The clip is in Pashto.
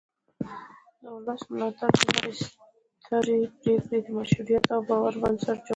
د ولس ملاتړ د هرې سترې پرېکړې د مشروعیت او باور بنسټ جوړوي